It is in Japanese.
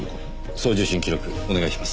送受信記録お願いします。